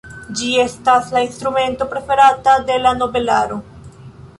Ĝi estas la instrumento preferata de la nobelaro.